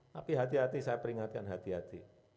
tapi hati hati saya peringatkan hati hati